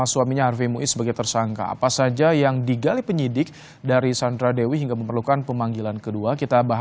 kami berdoa untuk anda